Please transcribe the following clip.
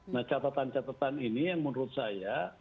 nah catatan catatan ini yang menurut saya